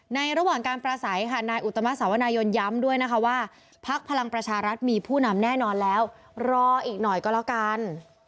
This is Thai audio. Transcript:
ระหว่างการประสัยค่ะนายอุตมะสาวนายนย้ำด้วยนะคะว่าพักพลังประชารัฐมีผู้นำแน่นอนแล้วรออีกหน่อยก็แล้วกัน